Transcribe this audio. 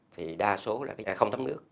thì đa số là không thấm nước